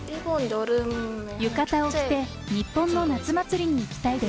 浴衣を着て、日本の夏祭りに行きたいです。